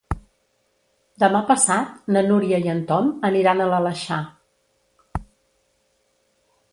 Demà passat na Núria i en Tom aniran a l'Aleixar.